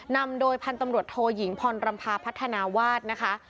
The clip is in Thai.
นำโดยพันธุ์ตำรวจโทยิงพรรำพาพัฒนาวาสนะคะ